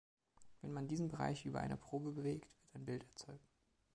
Wenn man diesen Bereich über eine Probe bewegt, wird ein Bild erzeugt.